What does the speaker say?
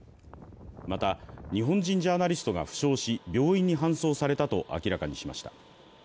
また日本人ジャーナリストが負傷し病院に搬送されたと明らかにしました。